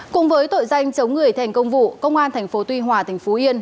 cùng với tội danh chống người thành công vụ công an tp tuy hòa tp yên